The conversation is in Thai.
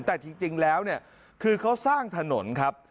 แต่จริงแล้วเนี่ยคือเขาสร้างถนนครับ